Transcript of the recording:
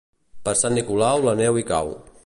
Per Sant Nicolau la neu hi cau.